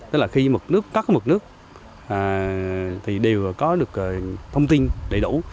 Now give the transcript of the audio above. tức là khi mực nước các mực nước thì đều có được thông tin đầy đủ